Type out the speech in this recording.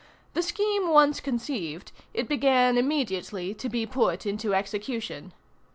The scheme once conceived, it began immediately to be put into execution.